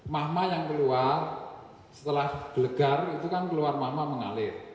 mahma yang keluar setelah gelegar itu kan keluar mama mengalir